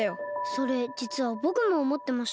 それじつはぼくもおもってました。